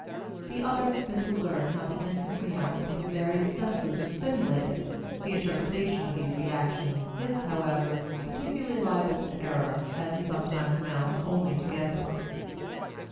The other has been to learn how the infant reacts when the various senses are stimulated; the interpretation of these reactions is, however, particularly liable to error and sometimes amounts only to guesswork.